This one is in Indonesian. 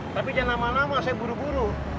tapi jangan lama lama saya buru buru